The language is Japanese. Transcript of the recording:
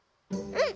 うん。